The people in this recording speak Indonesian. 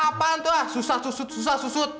ah apaan tuh ah susah susut susah susut